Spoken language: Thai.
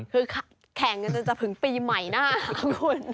คือแข่งกันจนจะถึงปีใหม่หน้าค่ะคุณ